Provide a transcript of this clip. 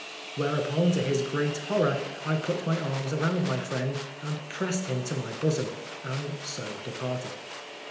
Whereupon to his great horror, I put my arms round my friend and pressed him to my bosom, and so departed.